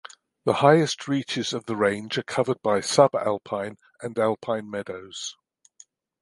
The highest reaches of the Range are covered by subalpine and alpine meadows.